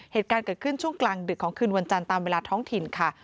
เหตุการณ์เกิดขึ้นช่วงกลางดึกของคืนวันจันทร์ตามเวลาท้องถิ่นค่ะ